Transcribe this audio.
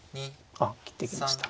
あ切っていきました。